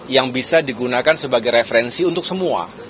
yang bisa digunakan sebagai referensi untuk semua